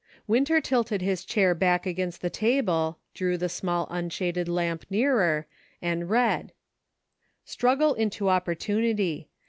Winter tilted his chair back against the table, drew the small unshaded lamp nearer, and read :" Struggle into opportunity.